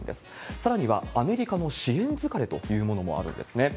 さらには、アメリカの支援疲れというものもあるんですね。